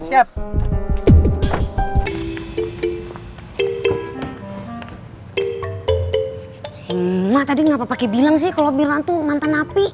si emak tadi ngapa pake bilang sih kalau mirna tuh mantan api